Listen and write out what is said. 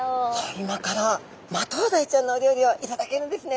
今からマトウダイちゃんのお料理を頂けるんですね！